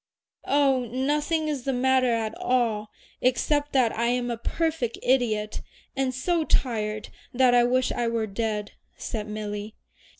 "Oh, nothing is the matter at all, except that I am a perfect idiot, and so tired that I wish I were dead," said Milly.